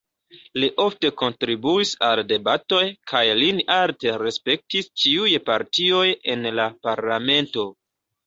Li ofte kontribuis al debatoj, kaj lin alte respektis ĉiuj partioj en la parlamento.